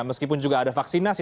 meskipun juga ada vaksinasi